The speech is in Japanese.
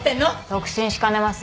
得心しかねます。